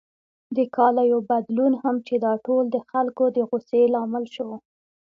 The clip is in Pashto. د کالیو بدلون هم چې دا ټول د خلکو د غوسې لامل شو.